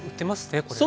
これはね。